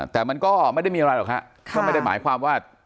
แต่มันก็ไม่ได้มีอะไรหรอกฮะก็ไม่ได้หมายความว่า